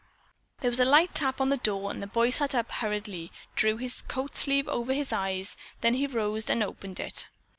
There was a light tap on the door and the boy sat up and hurriedly drew his coat sleeve over his eyes. Then he rose and opened it.